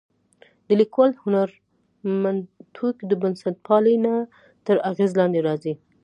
د لیکوال هرمنوتیک د بنسټپالنې تر اغېز لاندې راځي.